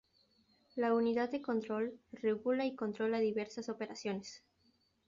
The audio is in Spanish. La unidad de control regula y controla diversas operaciones.